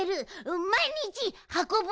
まいにちはこぶ。